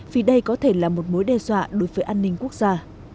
vì đây có thể là một mối đe dọa đối với an ninh quốc gia